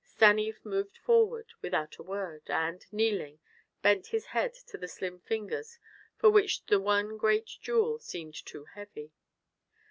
Stanief moved forward without a word, and, kneeling, bent his head to the slim fingers for which the one great jewel seemed too heavy.